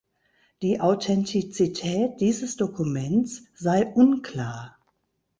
Die Authentizität dieses Dokuments sei unklar.